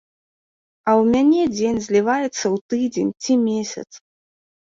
А ў мяне дзень зліваецца ў тыдзень ці месяц.